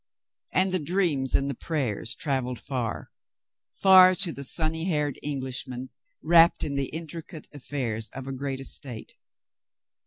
And the dreams and the prayers travelled far — far, to the sunny haired Englishman wrapped in the intricate affairs of a great estate.